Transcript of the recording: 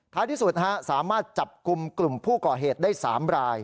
ที่สุดสามารถจับกลุ่มกลุ่มผู้ก่อเหตุได้๓ราย